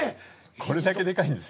これだけでかいんです。